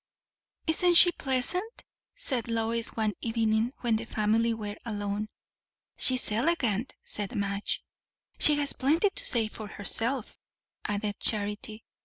"Isn't she pleasant?" said Lois one evening, when the family were alone. "She's elegant!" said Madge. "She has plenty to say for herself," added Charity.